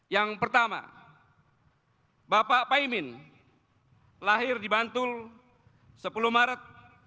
yang pertama bapak paimin lahir di bantul sepuluh maret seribu sembilan ratus dua puluh enam